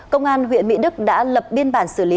công an huyện mỹ đức đã lập biên bản xử lý